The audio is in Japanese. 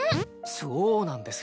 そうなんです。